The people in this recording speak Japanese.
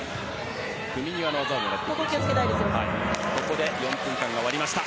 ここで４分間が終わりました。